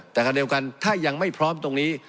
แต่คราวเดียวกันถ้ายังไม่พร้อมตรงนี้